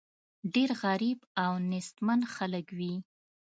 ډېر غریب او نېستمن خلک وي.